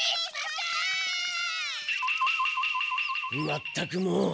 まったくもう。